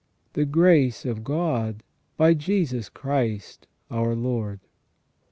The grace of God by Jesus Christ our Lord."